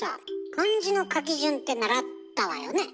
漢字の書き順って習ったわよねえ？